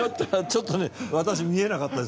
ちょっとね